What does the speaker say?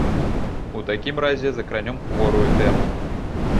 У такім разе закранём хворую тэму.